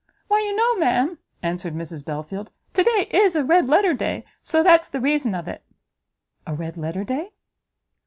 "Why you know, ma'am," answered Mrs Belfield, "to day is a red letter day, so that's the reason of it." "A red letter day?"